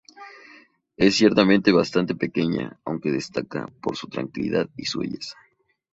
Es ciertamente bastante pequeña, aunque destaca por su tranquilidad y su belleza.